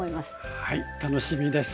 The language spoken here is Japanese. はい楽しみです。